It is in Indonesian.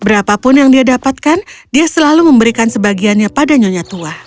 berapapun yang dia dapatkan dia selalu memberikan sebagiannya pada nyonya tua